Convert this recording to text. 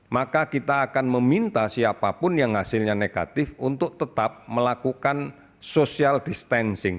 maka kita akan meminta siapapun yang hasilnya negatif untuk tetap melakukan social distancing